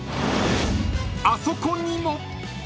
［あそこにも］